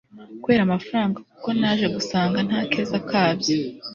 kubera amafaranga, kuko naje gusanga ntakeza kabyo